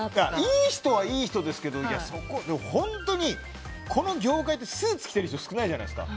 いい人はいい人ですけど本当にこの業界ってスーツを着てる人少ないじゃないですか。